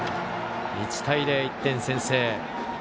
１対０と、１点先制。